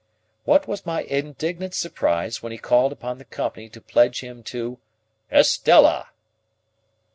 What was my indignant surprise when he called upon the company to pledge him to "Estella!"